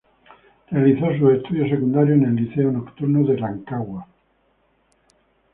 Realizó sus estudios secundarios en el Liceo Nocturno de Rancagua.